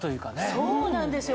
そうなんですよ。